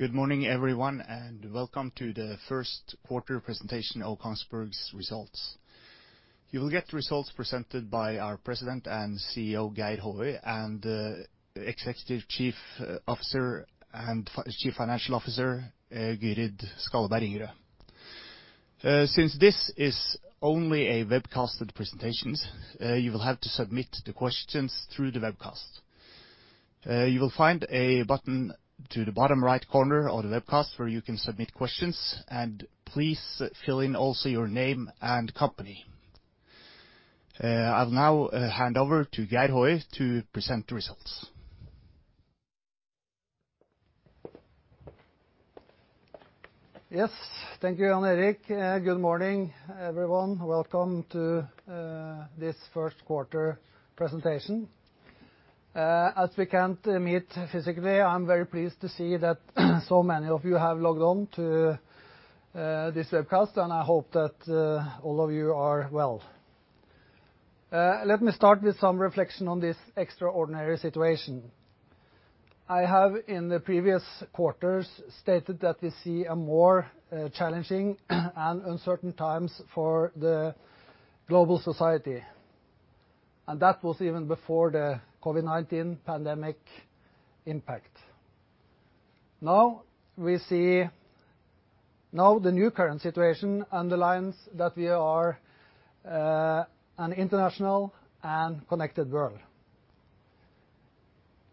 Good morning, everyone, and welcome to the first quarter presentation of Kongsberg's results. You will get results presented by our President and CEO, Geir Håøy, and Executive Vice President and Chief Financial Officer, Gyrid Skalleberg. Since this is only a webcast of the presentations, you will have to submit the questions through the webcast. You will find a button to the bottom right corner of the webcast where you can submit questions, and please fill in also your name and company. I'll now hand over to Geir Håøy to present the results. Yes, thank you, Jan Erik. Good morning, everyone. Welcome to this first quarter presentation. As we can't meet physically, I'm very pleased to see that so many of you have logged on to this webcast, and I hope that all of you are well. Let me start with some reflection on this extraordinary situation. I have, in the previous quarters, stated that we see a more challenging and uncertain time for the global society, and that was even before the COVID-19 pandemic impact. Now the new current situation underlines that we are an international and connected world.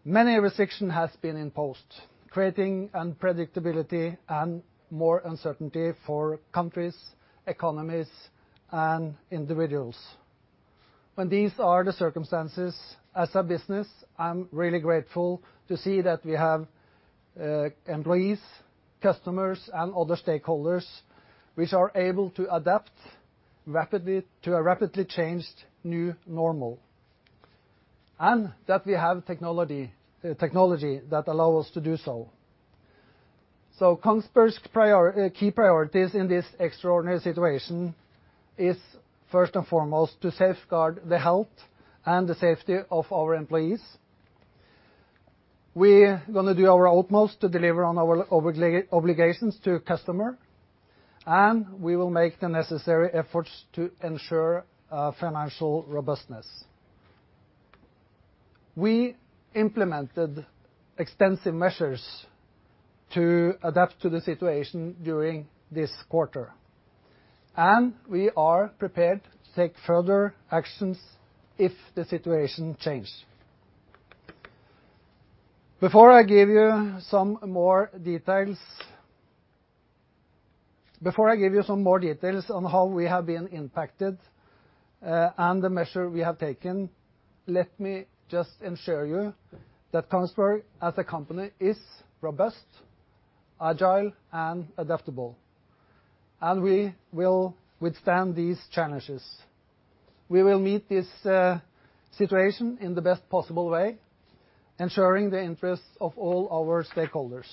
Many restrictions have been imposed, creating unpredictability and more uncertainty for countries, economies, and individuals. When these are the circumstances, as a business, I'm really grateful to see that we have employees, customers, and other stakeholders which are able to adapt to a rapidly changed new normal, and that we have technology that allows us to do so. Kongsberg's key priorities in this extraordinary situation are, first and foremost, to safeguard the health and the safety of our employees. We are going to do our utmost to deliver on our obligations to customers, and we will make the necessary efforts to ensure financial robustness. We implemented extensive measures to adapt to the situation during this quarter, and we are prepared to take further actions if the situation changes. Before I give you some more details on how we have been impacted and the measures we have taken, let me just ensure you that Kongsberg, as a company, is robust, agile, and adaptable, and we will withstand these challenges. We will meet this situation in the best possible way, ensuring the interests of all our stakeholders.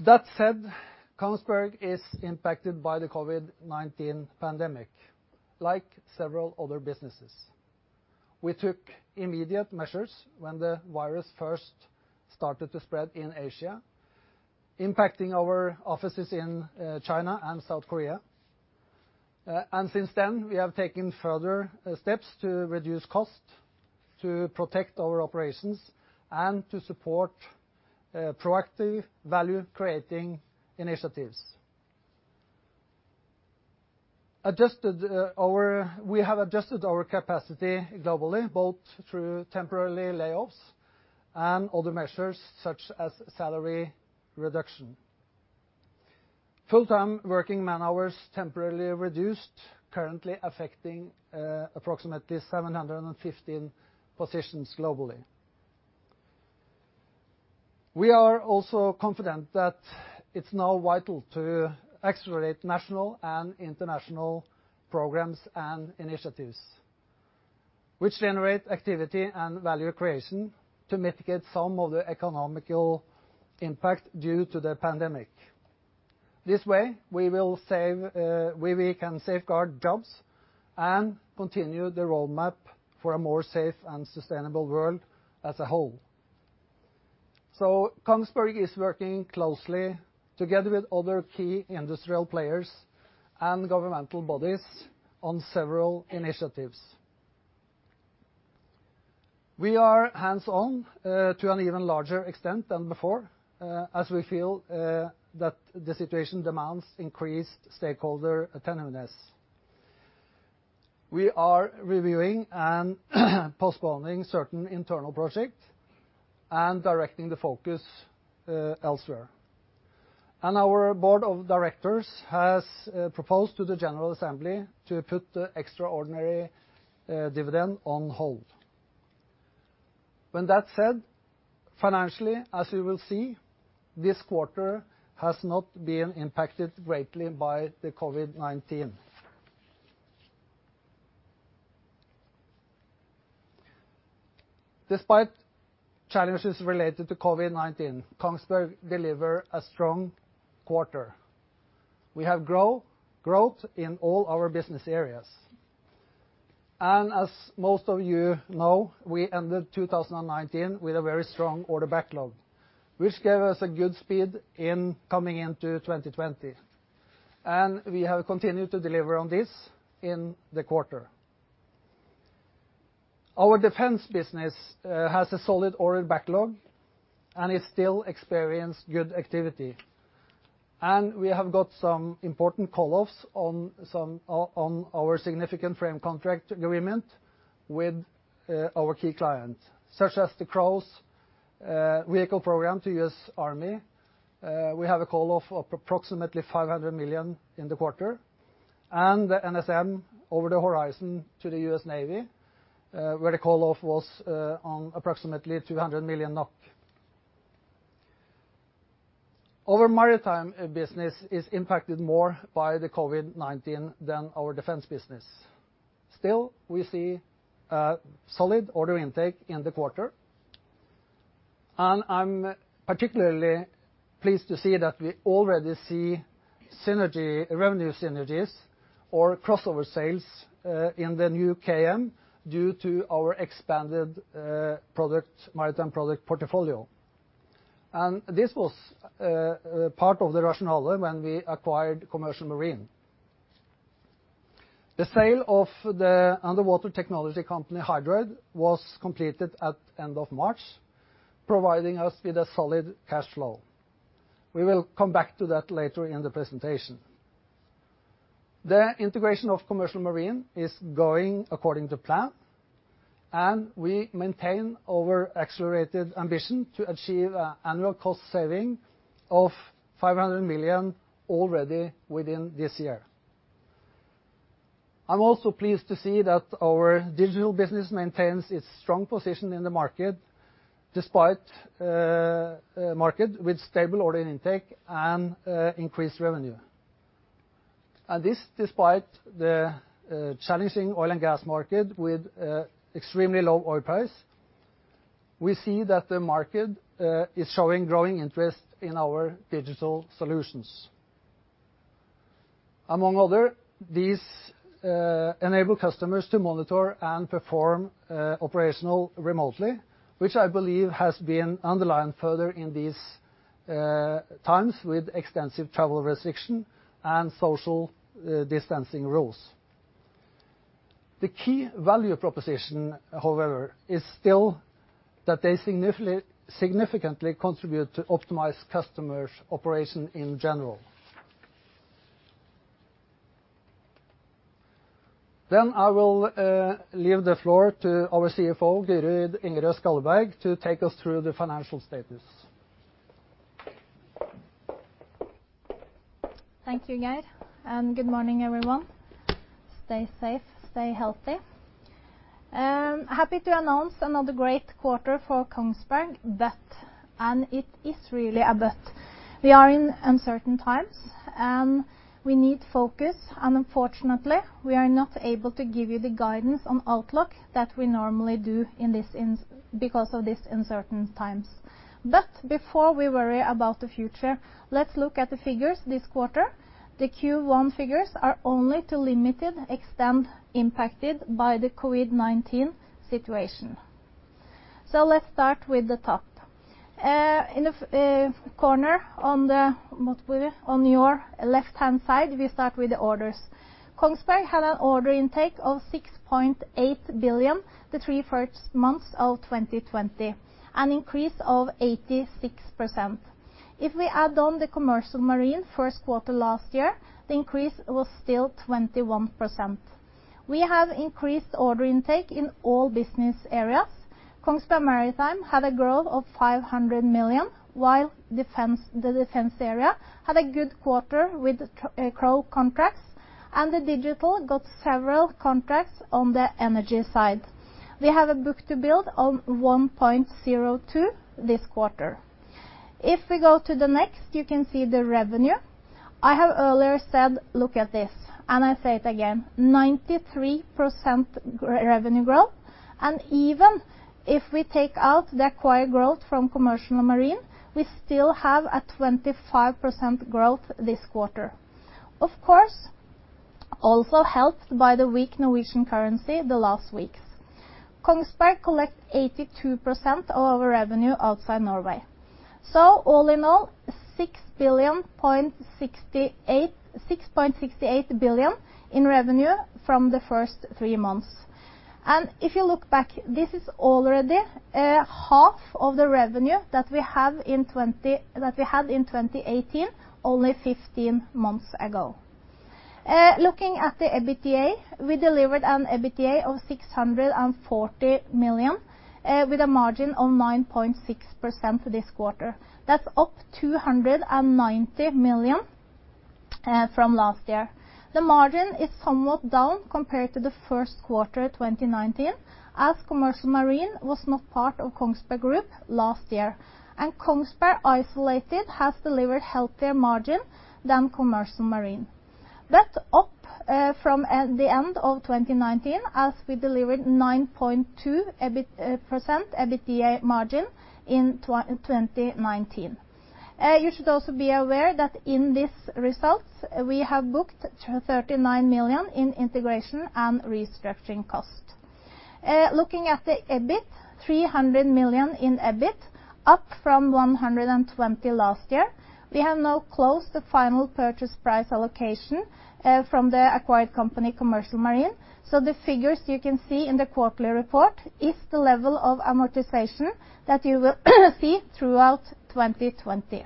That said, Kongsberg is impacted by the COVID-19 pandemic, like several other businesses. We took immediate measures when the virus first started to spread in Asia, impacting our offices in China and South Korea. Since then, we have taken further steps to reduce costs, to protect our operations, and to support proactive value-creating initiatives. We have adjusted our capacity globally, both through temporary layoffs and other measures such as salary reduction. Full-time working man-hours are temporarily reduced, currently affecting approximately 715 positions globally. We are also confident that it's now vital to accelerate national and international programs and initiatives, which generate activity and value creation to mitigate some of the economic impact due to the pandemic. This way, we can safeguard jobs and continue the roadmap for a more safe and sustainable world as a whole. Kongsberg is working closely together with other key industrial players and governmental bodies on several initiatives. We are hands-on to an even larger extent than before, as we feel that the situation demands increased stakeholder attentiveness. We are reviewing and postponing certain internal projects and directing the focus elsewhere. Our board of directors has proposed to the General Assembly to put the extraordinary dividend on hold. When that's said, financially, as you will see, this quarter has not been impacted greatly by the COVID-19. Despite challenges related to COVID-19, Kongsberg delivers a strong quarter. We have growth in all our business areas. As most of you know, we ended 2019 with a very strong order backlog, which gave us good speed in coming into 2020. We have continued to deliver on this in the quarter. Our defense business has a solid order backlog and is still experiencing good activity. We have got some important call-offs on our significant frame contract agreement with our key client, such as the Kraus vehicle program to the US Army. We have a call-off of approximately $500 million in the quarter, and the NSM over the horizon to the US Navy, where the call-off was approximately NOK 200 million. Our maritime business is impacted more by COVID-19 than our defense business. Still, we see solid order intake in the quarter. I'm particularly pleased to see that we already see revenue synergies or crossover sales in the new KM due to our expanded maritime product portfolio. This was part of the rationale when we acquired Commercial Marine. The sale of the underwater technology company Hydroid was completed at the end of March, providing us with solid cash flow. We will come back to that later in the presentation. The integration of Commercial Marine is going according to plan, and we maintain our accelerated ambition to achieve annual cost savings of $500 million already within this year. I'm also pleased to see that our digital business maintains its strong position in the market, despite a market with stable order intake and increased revenue. Despite the challenging oil and gas market with extremely low oil prices, we see that the market is showing growing interest in our digital solutions. Among others, these enable customers to monitor and perform operations remotely, which I believe has been underlined further in these times with extensive travel restrictions and social distancing rules. The key value proposition, however, is still that they significantly contribute to optimizing customer operations in general. I will leave the floor to our CFO, Gyrid Ingerø Skjaldberg, to take us through the financial status. Thank you, Geir. Good morning, everyone. Stay safe, stay healthy. I'm happy to announce another great quarter for Kongsberg. But, and it is really a but, we are in uncertain times, and we need focus. Unfortunately, we are not able to give you the guidance on outlook that we normally do because of these uncertain times. Before we worry about the future, let's look at the figures this quarter. The Q1 figures are only to a limited extent impacted by the COVID-19 situation. Let's start with the top. In the corner on your left-hand side, we start with the orders. Kongsberg had an order intake of $6.8 billion the three first months of 2020, an increase of 86%. If we add on the Commercial Marine first quarter last year, the increase was still 21%. We have increased order intake in all business areas. Kongsberg Maritime had a growth of $500 million, while the defense area had a good quarter with new contracts, and the digital got several contracts on the energy side. We have a book to build ratio of 1.02 this quarter. If we go to the next, you can see the revenue. I have earlier said, "Look at this," and I say it again, 93% revenue growth. Even if we take out the acquired growth from Commercial Marine, we still have a 25% growth this quarter, of course, also helped by the weak Norwegian currency the last weeks. Kongsberg collects 82% of our revenue outside Norway. So all in all, 6.68 billion in revenue from the first three months. If you look back, this is already half of the revenue that we had in 2018, only 15 months ago. Looking at the EBITDA, we delivered an EBITDA of $640 million with a margin of 9.6% this quarter. That's up $290 million from last year. The margin is somewhat down compared to the first quarter of 2019, as Commercial Marine was not part of Kongsberg Group last year. Kongsberg isolated has delivered a healthier margin than Commercial Marine. But up from the end of 2019, as we delivered 9.2% EBITDA margin in 2019. You should also be aware that in these results, we have booked $39 million in integration and restructuring cost. Looking at the EBIT, $300 million in EBIT, up from $120 million last year. We have now closed the final purchase price allocation from the acquired company, Commercial Marine. So the figures you can see in the quarterly report are the level of amortization that you will see throughout 2020.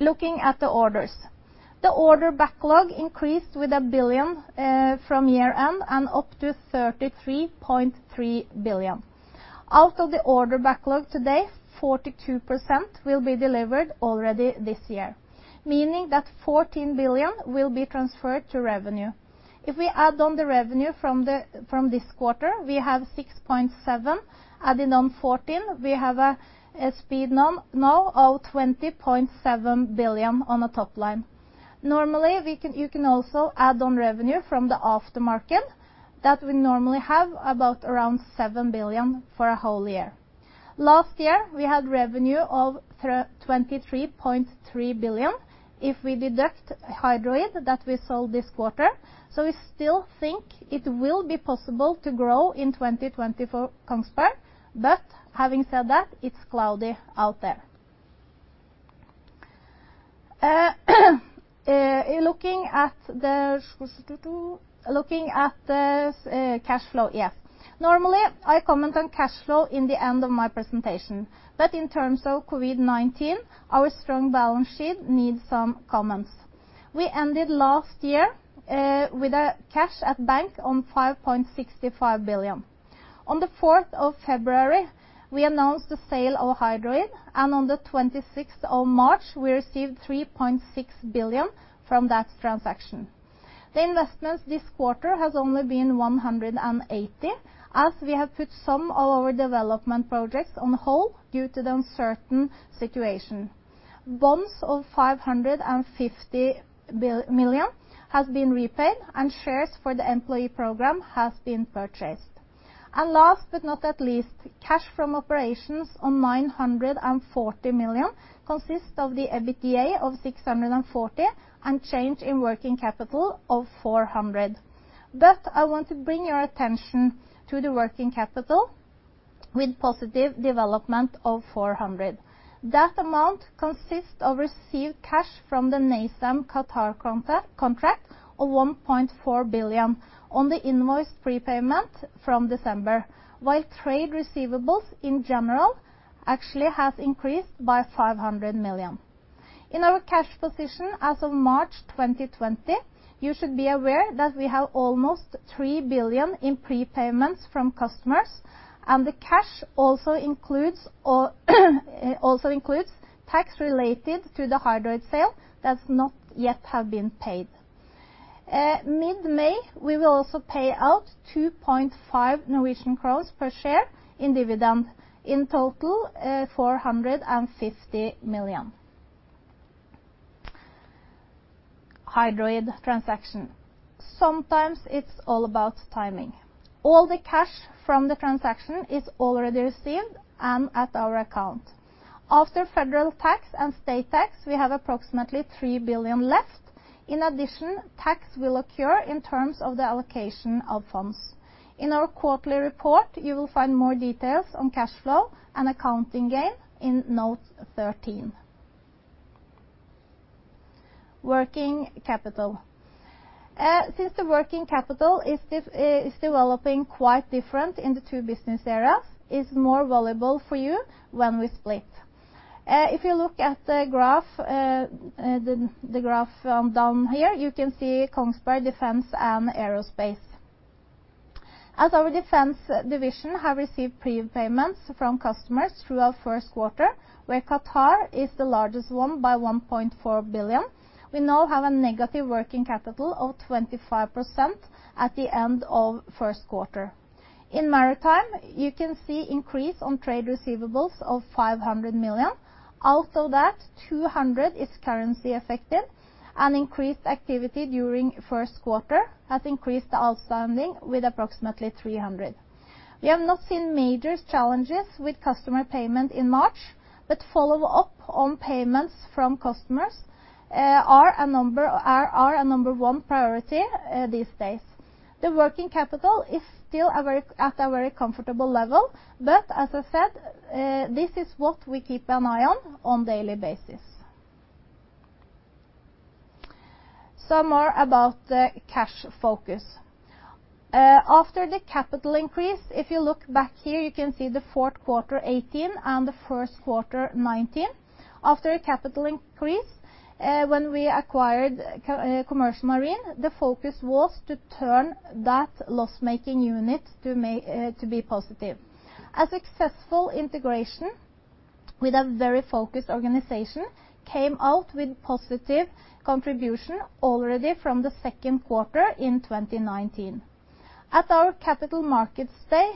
Looking at the orders, the order backlog increased by $1 billion from year-end and up to $33.3 billion. Out of the order backlog today, 42% will be delivered already this year, meaning that $14 billion will be transferred to revenue. If we add on the revenue from this quarter, we have $6.7 billion, adding on $14 billion, we have a speed now of $20.7 billion on the top line. Normally, you can also add on revenue from the aftermarket that we normally have about around $7 billion for a whole year. Last year, we had revenue of $23.3 billion if we deduct Hydroid that we sold this quarter. So we still think it will be possible to grow in 2024 Kongsberg, but having said that, it's cloudy out there. Looking at the cash flow, yes. Normally, I comment on cash flow at the end of my presentation. In terms of COVID-19, our strong balance sheet needs some comments. We ended last year with cash at bank of $5.65 billion. On February 4th, we announced the sale of Hydroid, and on March 26th, we received $3.6 billion from that transaction. The investments this quarter have only been $180 million, as we have put some of our development projects on hold due to the uncertain situation. Bonds of $550 million have been repaid, and shares for the employee program have been purchased. Last but not least, cash from operations of $940 million consists of the EBITDA of $640 million and change in working capital of $400 million. I want to bring your attention to the working capital with positive development of $400 million. That amount consists of received cash from the NASAM Qatar contract of $1.4 billion on the invoice prepayment from December, while trade receivables in general actually have increased by $500 million. In our cash position as of March 2020, you should be aware that we have almost $3 billion in prepayments from customers, and the cash also includes tax related to the Hydroid sale that has not yet been paid. Mid-May, we will also pay out 2.5 Norwegian kroner per share in dividend, in total $450 million. Hydroid transaction. Sometimes it's all about timing. All the cash from the transaction is already received and at our account. After federal tax and state tax, we have approximately $3 billion left. In addition, tax will occur in terms of the allocation of funds. In our quarterly report, you will find more details on cash flow and accounting gain in note 13. Working capital. Since the working capital is developing quite differently in the two business areas, it's more valuable for you when we split. If you look at the graph down here, you can see Kongsberg Defense and Aerospace. As our defense division has received prepayments from customers throughout first quarter, where Qatar is the largest one by $1.4 billion, we now have a negative working capital of 25% at the end of first quarter. In maritime, you can see an increase in trade receivables of $500 million. Out of that, $200 million is currency-affected, and increased activity during first quarter has increased the outstanding with approximately $300 million. We have not seen major challenges with customer payment in March, but follow-up on payments from customers are a number one priority these days. The working capital is still at a very comfortable level, but as I said, this is what we keep an eye on on a daily basis. Some more about the cash focus. After the capital increase, if you look back here, you can see the fourth quarter '18 and the first quarter '19. After a capital increase, when we acquired Commercial Marine, the focus was to turn that loss-making unit to be positive. A successful integration with a very focused organization came out with positive contribution already from the second quarter in 2019. At our capital markets day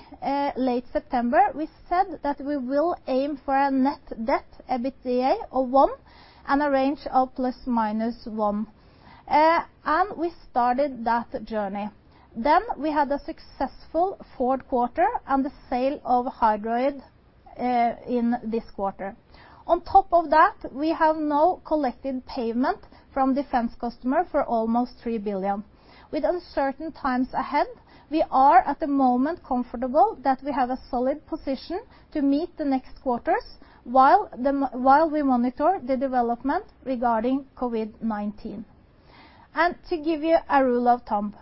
late September, we said that we will aim for a net debt EBITDA of 1 and a range of plus-minus 1. We started that journey. Then we had a successful fourth quarter and the sale of Hydroid in this quarter. On top of that, we have now collected payment from defense customers for almost $3 billion. With uncertain times ahead, we are at the moment comfortable that we have a solid position to meet the next quarters while we monitor the development regarding COVID-19. To give you a rule of thumb,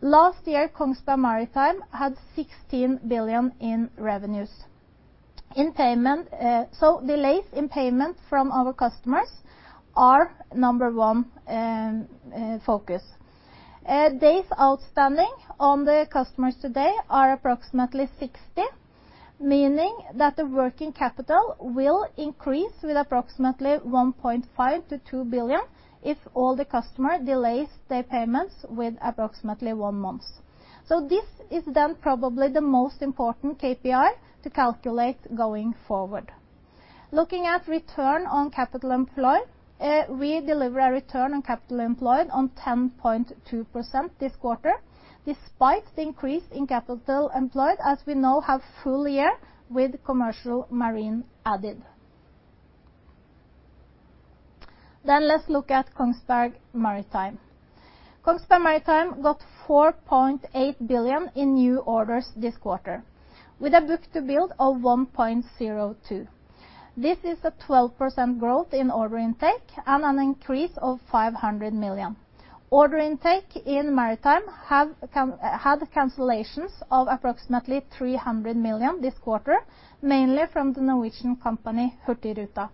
last year, Kongsberg Maritime had $16 billion in revenues. So delays in payment from our customers are number one focus. Days outstanding on the customers today are approximately 60, meaning that the working capital will increase with approximately $1.5 to $2 billion if all the customers delay their payments with approximately one month. So this is then probably the most important KPI to calculate going forward. Looking at return on capital employed, we deliver a return on capital employed of 10.2% this quarter, despite the increase in capital employed, as we now have full year with Commercial Marine added. Let's look at Kongsberg Maritime. Kongsberg Maritime got 4.8 billion in new orders this quarter, with a book to bill of 1.02. This is a 12% growth in order intake and an increase of 500 million. Order intake in maritime had cancellations of approximately 300 million this quarter, mainly from the Norwegian company Hurtigruten.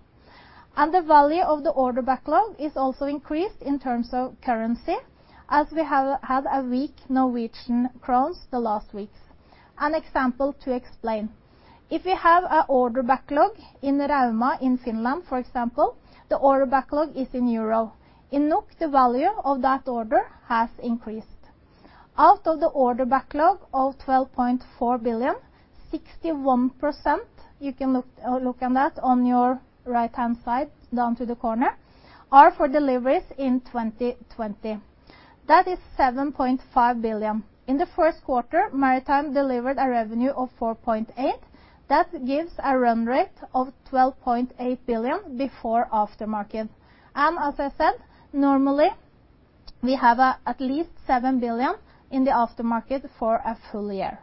The value of the order backlog is also increased in terms of currency, as we have had a weak Norwegian krone the last weeks. An example to explain: If we have an order backlog in Rauma in Finland, for example, the order backlog is in euro. In NOK, the value of that order has increased. Out of the order backlog of $12.4 billion, 61%, you can look at that on your right-hand side down to the corner, are for deliveries in 2020. That is $7.5 billion. In the first quarter, maritime delivered a revenue of $4.8 billion. That gives a run rate of $12.8 billion before aftermarket. As I said, normally, we have at least $7 billion in the aftermarket for a full year.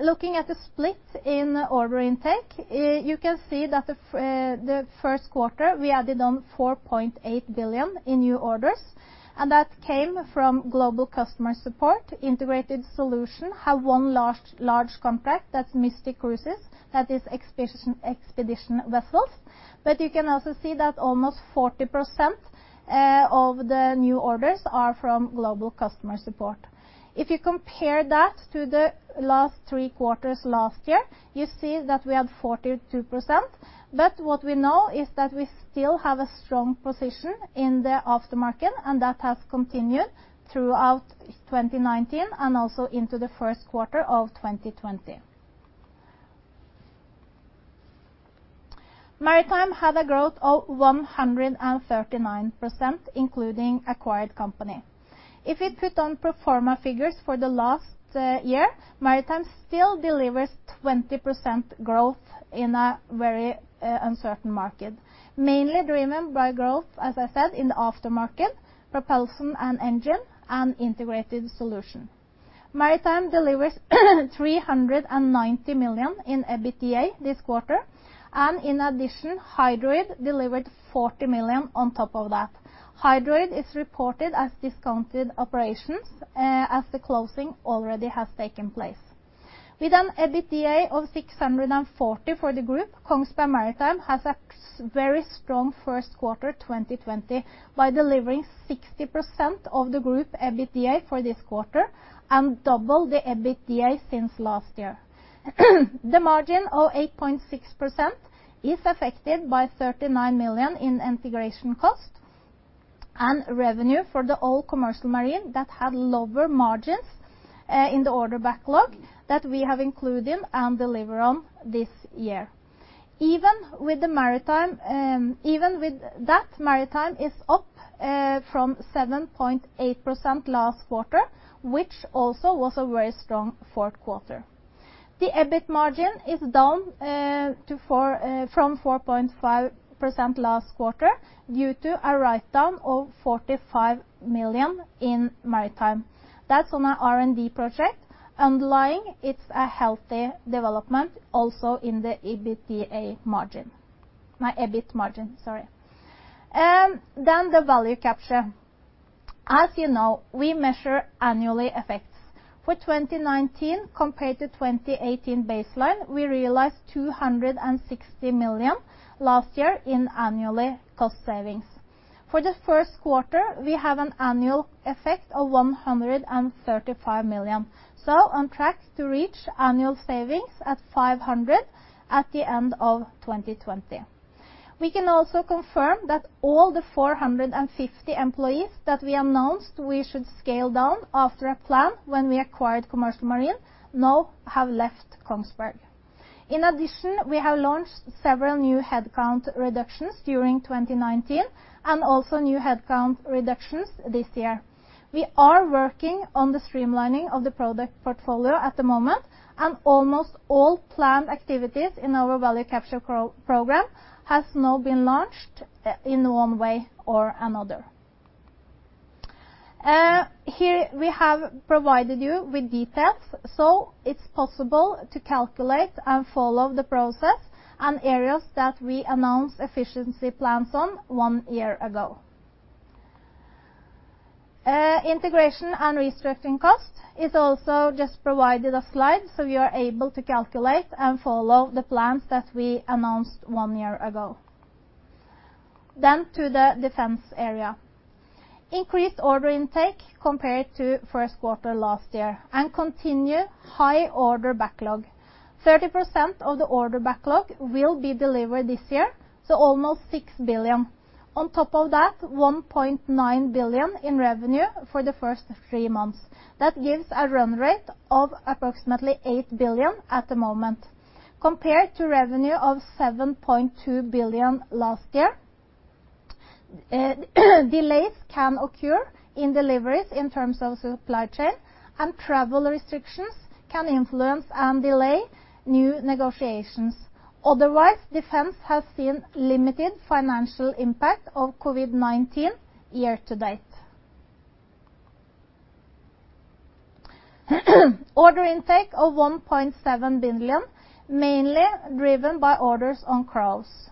Looking at the split in order intake, you can see that the first quarter, we added on $4.8 billion in new orders, and that came from global customer support. Integrated solution has one large contract that's Mystic Cruises that is expedition vessels. You can also see that almost 40% of the new orders are from global customer support. If you compare that to the last three quarters last year, you see that we had 42%. But what we know is that we still have a strong position in the aftermarket, and that has continued throughout 2019 and also into the first quarter of 2020. Maritime has a growth of 139%, including acquired company. If we put on pro forma figures for the last year, Maritime still delivers 20% growth in a very uncertain market, mainly driven by growth, as I said, in the aftermarket, propulsion and engine, and integrated solution. Maritime delivers $390 million in EBITDA this quarter, and in addition, Hydroid delivered $40 million on top of that. Hydroid is reported as discontinued operations as the closing already has taken place. With an EBITDA of $640 million for the group, Kongsberg Maritime has a very strong first quarter 2020 by delivering 60% of the group EBITDA for this quarter and doubled the EBITDA since last year. The margin of 8.6% is affected by $39 million in integration cost and revenue for the all Commercial Marine that had lower margins in the order backlog that we have included and delivered on this year. Even with that, maritime is up from 7.8% last quarter, which also was a very strong fourth quarter. The EBIT margin is down from 4.5% last quarter due to a write-down of $45 million in maritime. That's on an R&D project underlying its healthy development also in the EBITDA margin. My EBIT margin, sorry. Then the value capture. As you know, we measure annually effects. For 2019, compared to 2018 baseline, we realized $260 million last year in annually cost savings. For the first quarter, we have an annual effect of $135 million. So on track to reach annual savings at $500 at the end of 2020. We can also confirm that all the 450 employees that we announced we should scale down after a plan when we acquired Commercial Marine now have left Kongsberg. In addition, we have launched several new headcount reductions during 2019 and also new headcount reductions this year. We are working on the streamlining of the product portfolio at the moment, and almost all planned activities in our value capture program have now been launched in one way or another. Here we have provided you with details, so it's possible to calculate and follow the process and areas that we announced efficiency plans on one year ago. Integration and restructuring cost is also just provided a slide, so you are able to calculate and follow the plans that we announced one year ago. To the defense area. Increased order intake compared to first quarter last year and continue high order backlog. 30% of the order backlog will be delivered this year, so almost $6 billion. On top of that, $1.9 billion in revenue for the first three months. That gives a run rate of approximately $8 billion at the moment. Compared to revenue of $7.2 billion last year, delays can occur in deliveries in terms of supply chain, and travel restrictions can influence and delay new negotiations. Otherwise, defense has seen limited financial impact of COVID-19 year to date. Order intake of $1.7 billion, mainly driven by orders on CROWS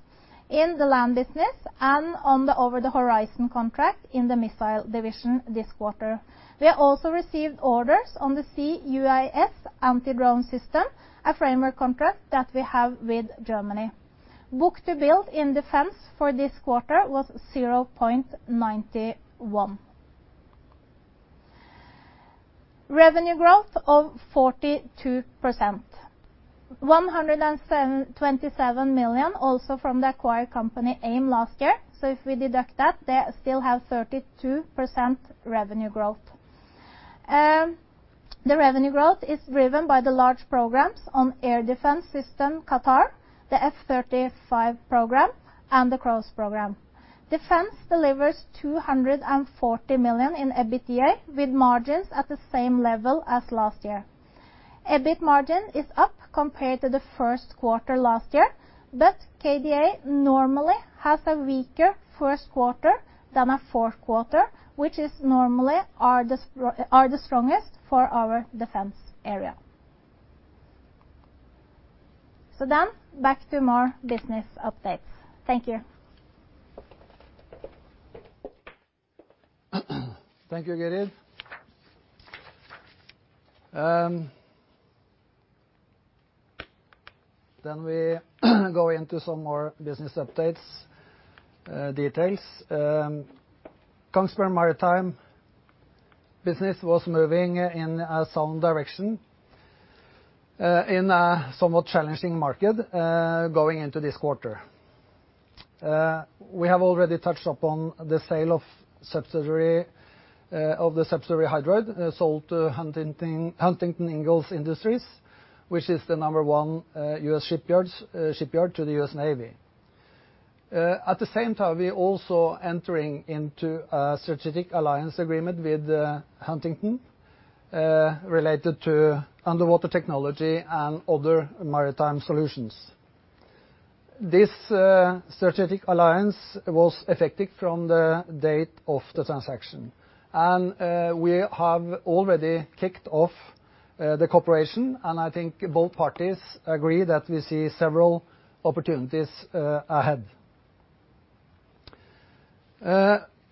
in the land business and on the over-the-horizon contract in the missile division this quarter. We also received orders on the C-UAS anti-drone system, a framework contract that we have with Germany. Book-to-bill in defense for this quarter was 0.91. Revenue growth of 42%. $127 million also from the acquired company AIM last year. If we deduct that, they still have 32% revenue growth. The revenue growth is driven by the large programs on air defense system, Qatar, the F-35 program, and the crows program. Defense delivers $240 million in EBITDA with margins at the same level as last year. EBIT margin is up compared to the first quarter last year, but KDA normally has a weaker first quarter than a fourth quarter, which is normally the strongest for our defense area. Back to more business updates. Thank you. Thank you, Gerid. Then we go into some more business update details. Kongsberg Maritime business was moving in a sound direction in a somewhat challenging market going into this quarter. We have already touched upon the sale of subsidiary Hydroid sold to Huntington Ingalls Industries, which is the number one US shipyard to the US Navy. At the same time, we are also entering into a strategic alliance agreement with Huntington related to underwater technology and other maritime solutions. This strategic alliance was effective from the date of the transaction, and we have already kicked off the cooperation, and I think both parties agree that we see several opportunities ahead.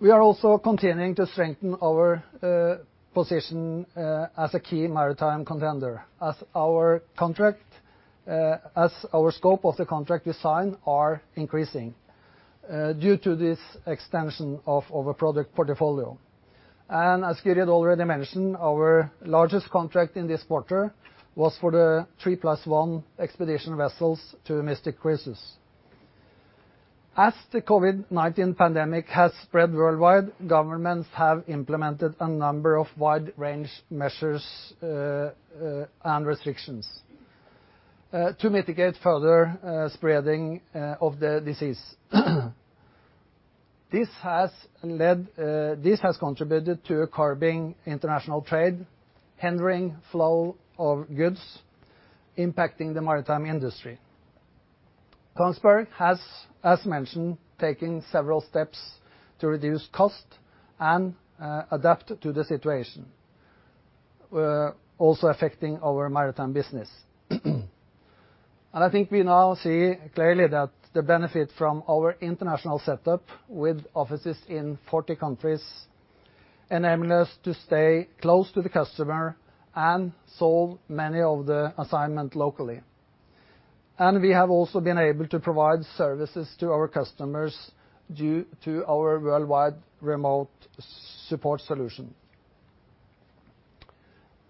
We are also continuing to strengthen our position as a key maritime contender, as our contract scope and contract design are increasing due to this extension of our product portfolio. As Gerrid already mentioned, our largest contract in this quarter was for the three plus one expedition vessels to Mystic Cruises. As the COVID-19 pandemic has spread worldwide, governments have implemented a number of wide-range measures and restrictions to mitigate further spreading of the disease. This has contributed to curbing international trade, hindering flow of goods, impacting the maritime industry. Kongsberg has, as mentioned, taken several steps to reduce cost and adapt to the situation, also affecting our maritime business. I think we now see clearly that the benefit from our international setup with offices in 40 countries enables us to stay close to the customer and solve many of the assignments locally. We have also been able to provide services to our customers due to our worldwide remote support solution.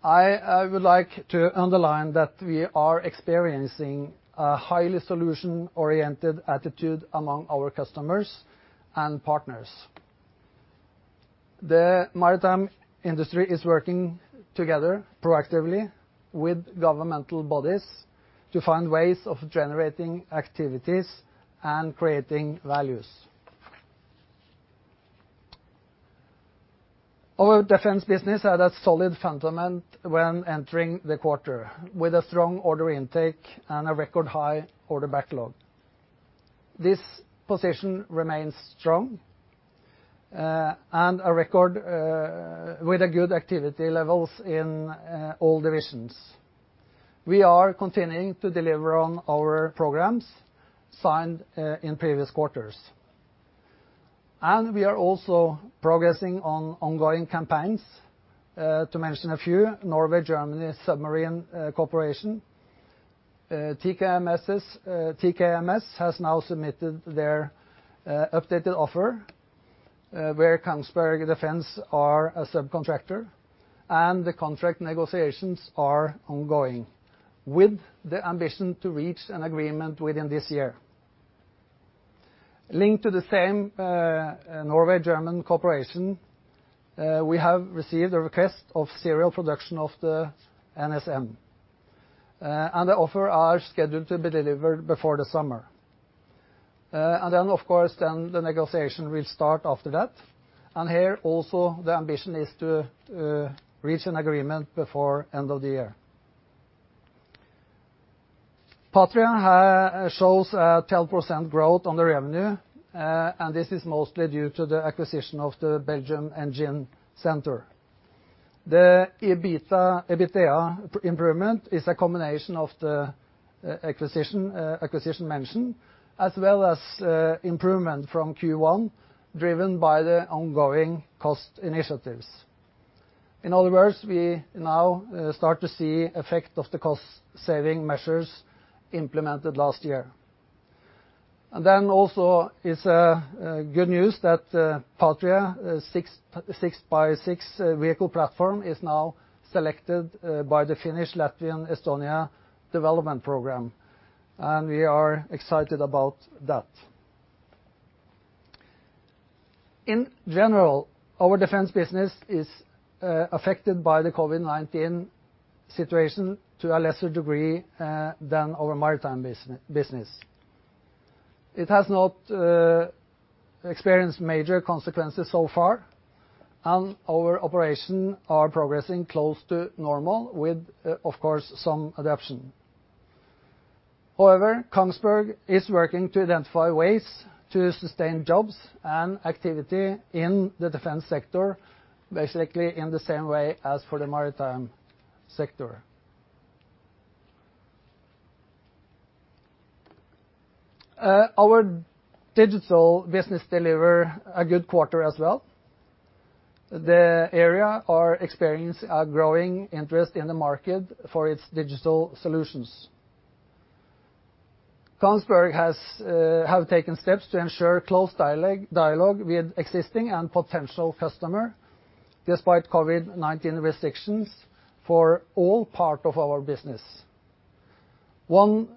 I would like to underline that we are experiencing a highly solution-oriented attitude among our customers and partners. The maritime industry is working together proactively with governmental bodies to find ways of generating activities and creating values. Our defense business had a solid fundament when entering the quarter with a strong order intake and a record high order backlog. This position remains strong and a record with good activity levels in all divisions. We are continuing to deliver on our programs signed in previous quarters. We are also progressing on ongoing campaigns. To mention a few, Norway-Germany submarine cooperation. TKMS has now submitted their updated offer where Kongsberg Defense is a subcontractor, and the contract negotiations are ongoing with the ambition to reach an agreement within this year. Linked to the same Norway-German cooperation, we have received a request for serial production of the NSM, and the offer is scheduled to be delivered before the summer. Then, of course, the negotiation will start after that. Here, also, the ambition is to reach an agreement before the end of the year. Patria shows a 12% growth on the revenue, and this is mostly due to the acquisition of the Belgium Engine Center. The EBITDA improvement is a combination of the acquisition mentioned as well as improvement from Q1 driven by the ongoing cost initiatives. In other words, we now start to see the effect of the cost-saving measures implemented last year. It's good news that Patria's 6x6 vehicle platform is now selected by the Finnish-Latvian-Estonia development program, and we are excited about that. In general, our defense business is affected by the COVID-19 situation to a lesser degree than our maritime business. It has not experienced major consequences so far, and our operations are progressing close to normal with, of course, some adaptation. However, Kongsberg is working to identify ways to sustain jobs and activity in the defense sector, basically in the same way as for the maritime sector. Our digital business delivers a good quarter as well. The area is experiencing a growing interest in the market for its digital solutions. Kongsberg has taken steps to ensure close dialogue with existing and potential customers despite COVID-19 restrictions for all parts of our business. One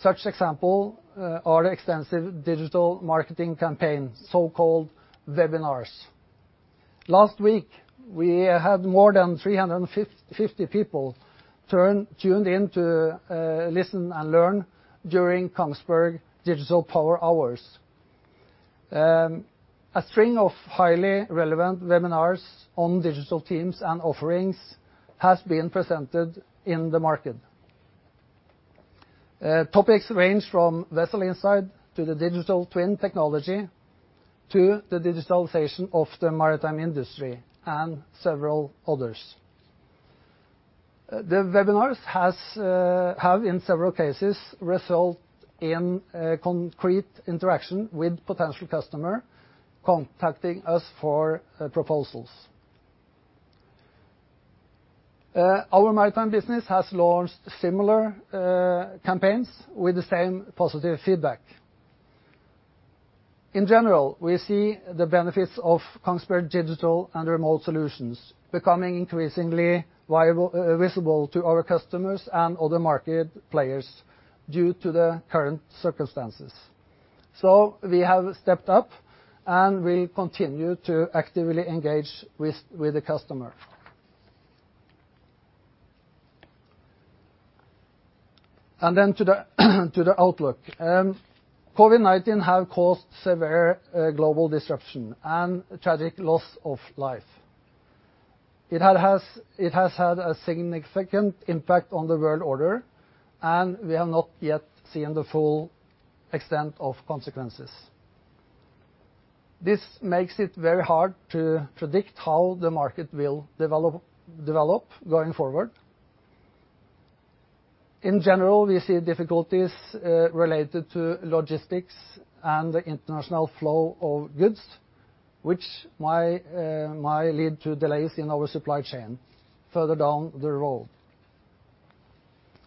such example is the extensive digital marketing campaign, so-called webinars. Last week, we had more than 350 people tuned in to listen and learn during Kongsberg Digital Power Hours. A string of highly relevant webinars on digital teams and offerings has been presented in the market. Topics range from vessel insight to the digital twin technology to the digitalization of the maritime industry and several others. The webinars have, in several cases, resulted in concrete interaction with potential customers contacting us for proposals. Our maritime business has launched similar campaigns with the same positive feedback. In general, we see the benefits of Kongsberg digital and remote solutions becoming increasingly visible to our customers and other market players due to the current circumstances. We have stepped up and will continue to actively engage with the customer. Then to the outlook. COVID-19 has caused severe global disruption and tragic loss of life. It has had a significant impact on the world order, and we have not yet seen the full extent of consequences. This makes it very hard to predict how the market will develop going forward. In general, we see difficulties related to logistics and the international flow of goods, which might lead to delays in our supply chain further down the road.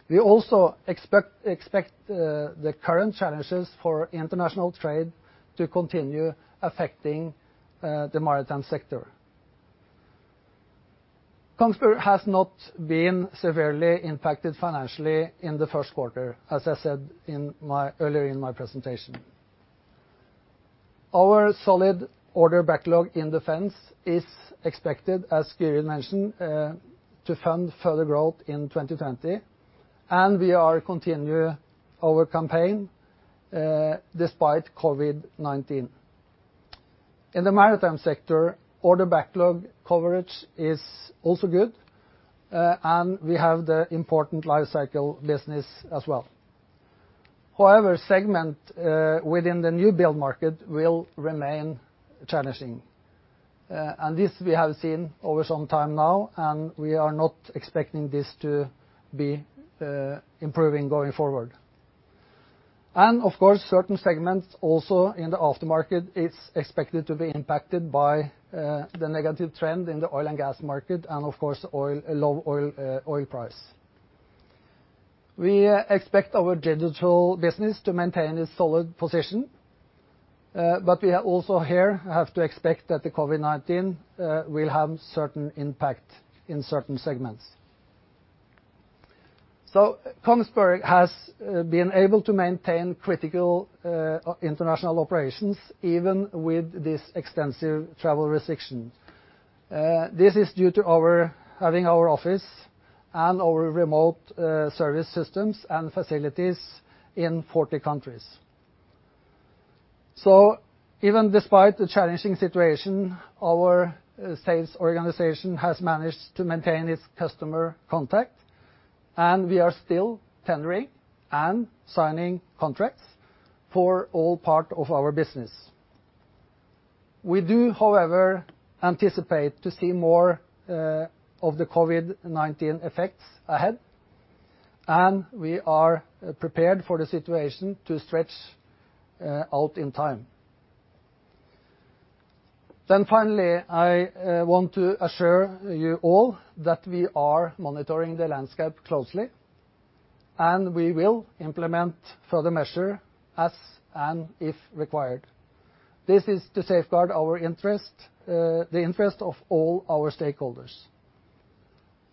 We also expect the current challenges for international trade to continue affecting the maritime sector. Kongsberg has not been severely impacted financially in the first quarter, as I said earlier in my presentation. Our solid order backlog in defense is expected, as Geir mentioned, to fund further growth in 2020, and we are continuing our campaign despite COVID-19. In the maritime sector, order backlog coverage is also good, and we have the important life cycle business as well. However, segments within the new build market will remain challenging. This we have seen over some time now, and we are not expecting this to be improving going forward. Of course, certain segments also in the aftermarket are expected to be impacted by the negative trend in the oil and gas market and, of course, low oil price. We expect our digital business to maintain its solid position, but we also here have to expect that the COVID-19 will have a certain impact in certain segments. Kongsberg has been able to maintain critical international operations even with this extensive travel restriction. This is due to having our office and our remote service systems and facilities in 40 countries. Even despite the challenging situation, our sales organization has managed to maintain its customer contact, and we are still tendering and signing contracts for all parts of our business. We do, however, anticipate seeing more of the COVID-19 effects ahead, and we are prepared for the situation to stretch out in time. Finally, I want to assure you all that we are monitoring the landscape closely, and we will implement further measures as and if required. This is to safeguard the interest of all our stakeholders.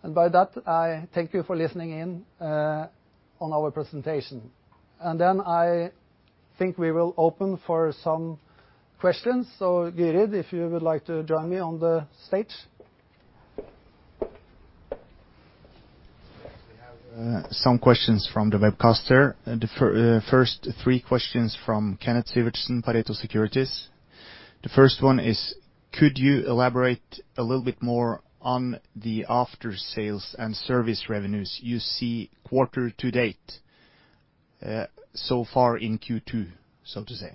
By that, I thank you for listening in on our presentation. I think we will open for some questions. So Gerid, if you would like to join me on the stage. We have some questions from the webcaster. The first three questions are from Kennet Sivertsen, Pareto Securities. The first one is, could you elaborate a little bit more on the after-sales and service revenues you see quarter to date so far in Q2, so to say?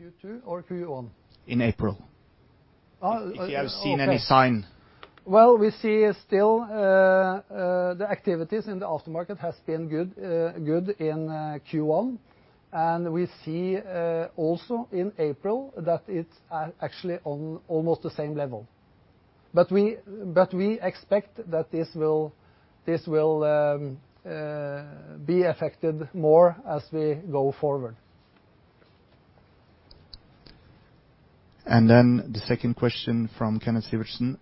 In Q2 or Q1? In April. Oh, okay. If you have seen any sign. We see still the activities in the aftermarket have been good in Q1, and we see also in April that it's actually on almost the same level. But we expect that this will be affected more as we go forward. And then the second question from Kennet Sivertsen.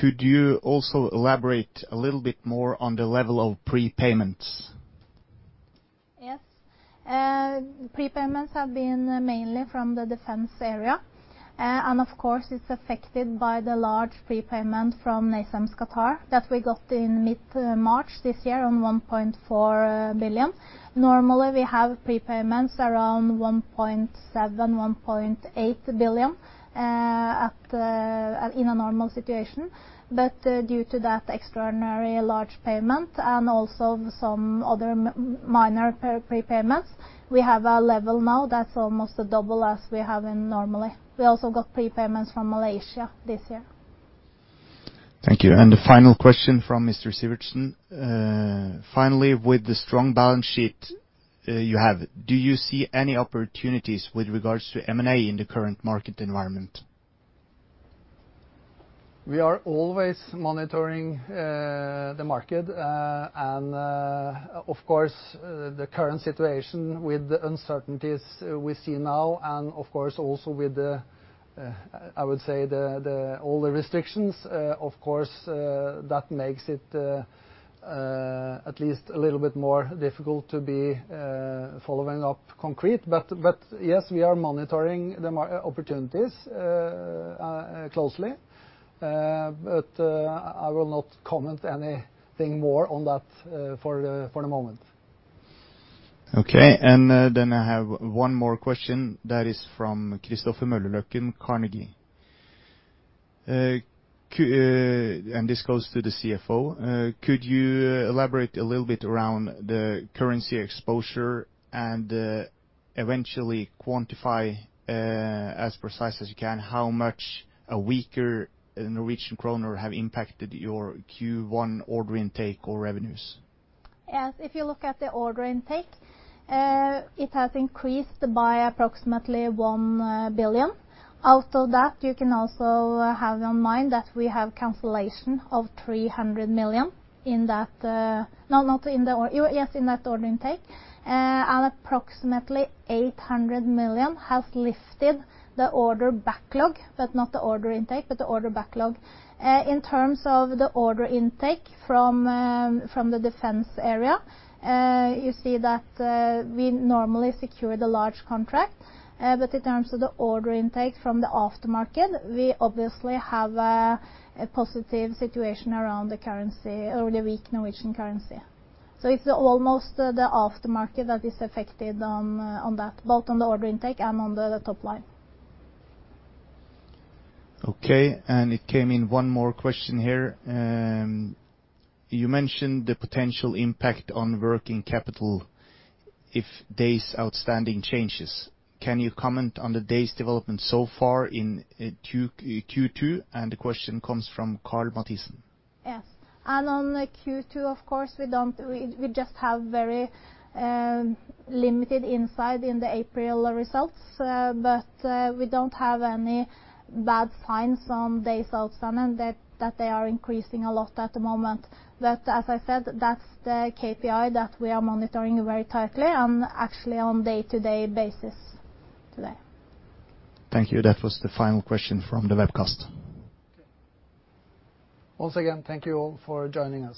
Could you also elaborate a little bit more on the level of prepayments? Yes. Prepayments have been mainly from the defense area, and of course, it's affected by the large prepayment from NASAMS Qatar that we got in mid-March this year of $1.4 billion. Normally, we have prepayments around $1.7, $1.8 billion in a normal situation. But due to that extraordinary large payment and also some other minor prepayments, we have a level now that's almost double what we have normally. We also got prepayments from Malaysia this year. Thank you. And the final question from Mr. Sivertsen. Finally, with the strong balance sheet you have, do you see any opportunities with regards to M&A in the current market environment? We are always monitoring the market, and of course, the current situation with the uncertainties we see now, and of course, also with, I would say, all the restrictions, of course, that makes it at least a little bit more difficult to be following up concrete. But yes, we are monitoring the opportunities closely, but I will not comment anything more on that for the moment. Okay. I have one more question that is from Kristoffer Møller Løkken Carnegie. This goes to the CFO. Could you elaborate a little bit around the currency exposure and eventually quantify as precise as you can how much a weaker Norwegian kroner has impacted your Q1 order intake or revenues? Yes. If you look at the order intake, it has increased by approximately $1 billion. Out of that, you can also have in mind that we have cancellation of $300 million in that, not in the, yes, in that order intake. Approximately $800 million has lifted the order backlog, but not the order intake, but the order backlog. In terms of the order intake from the defense area, you see that we normally secure the large contract, but in terms of the order intake from the aftermarket, we obviously have a positive situation around the currency or the weak Norwegian currency. So it's almost the aftermarket that is affected on that, both on the order intake and on the top line. Okay. And it came in one more question here. You mentioned the potential impact on working capital if there are outstanding changes. Can you comment on the day's development so far in Q2? And the question comes from Karl Mathisen. Yes. On Q2, of course, we just have very limited insight in the April results, but we don't have any bad signs on day outstanding that they are increasing a lot at the moment. But as I said, that's the KPI that we are monitoring very tightly and actually on a day-to-day basis today. Thank you. That was the final question from the webcast. Okay. Once again, thank you all for joining us.